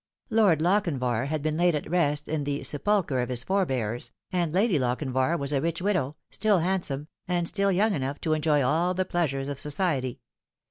Not Proven. 227 Lord Lochinvar had been laid at rest in the sepulchre of his fore bears, and Lady Lochinvar was a rich widow, still handsome, and still young enough to enjoy all the pleasures of society.